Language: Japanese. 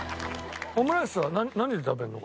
オムライスは何で食べるの？